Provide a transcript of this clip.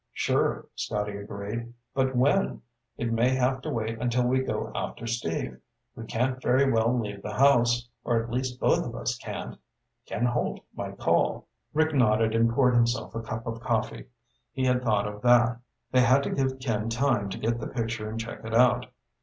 "Sure," Scotty agreed. "But when? It may have to wait until we go after Steve. We can't very well leave the house, or at least both of us can't. Ken Holt might call." Rick nodded and poured himself a cup of coffee. He had thought of that. They had to give Ken time to get the picture and check it out.